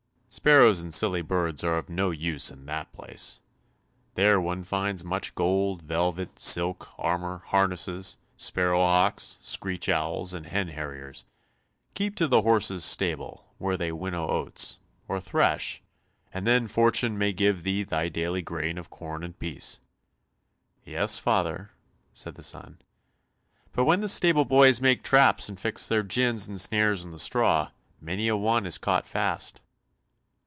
"Sparrows and silly little birds are of no use in that place—there one finds much gold, velvet, silk, armour, harnesses, sparrow hawks, screech owls and hen harriers; keep to the horses' stable where they winnow oats, or thresh, and then fortune may give thee thy daily grain of corn in peace." "Yes, father," said the son, "but when the stable boys make traps and fix their gins and snares in the straw, many a one is caught fast."